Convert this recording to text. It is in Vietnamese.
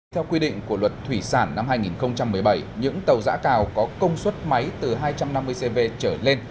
theo quy định của luật thủy sản năm hai nghìn một mươi bảy những tàu giã cào có công suất máy từ hai trăm năm mươi cv trở lên